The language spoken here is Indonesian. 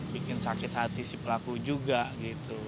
bikin sakit hati si pelaku juga gitu